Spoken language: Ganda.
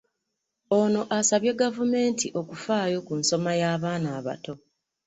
Ono asabye gavumenti okufaayo ku nsoma y'abaana abato.